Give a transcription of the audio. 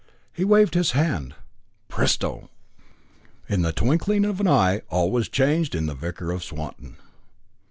He waved his hand. "Presto!" In the twinkling of an eye all was changed in the Vicar of Swanton.